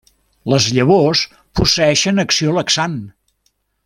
Les llavors posseeixen acció laxant.